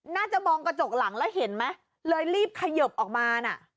น่าจะมองกระจกหลังแล้วเห็นไหมเลยรีบเขยิบออกมาน่ะ